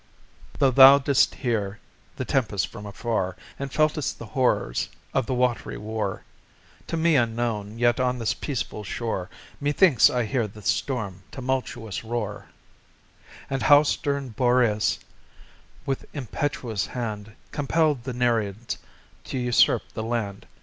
THOUGH thou did'st hear the tempest from afar, And felt'st the horrors of the wat'ry war, To me unknown, yet on this peaceful shore Methinks I hear the storm tumultuous roar, And how stern Boreas with impetuous hand Compell'd the Nereids to usurp the land.